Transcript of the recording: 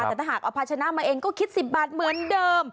แต่ถ้าหากเอาภาชนะมาเองก็คิด๑๐บาทเหมือนเดิม